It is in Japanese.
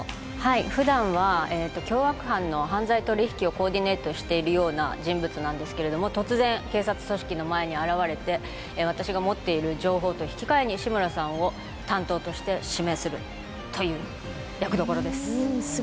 ふだんは凶悪犯の犯罪取引をコーディネートしているような人物なんですけれども、突然、警察組織の前に現れて私が持っている情報と引き換えに志村さんを担当として指名するという役どころです。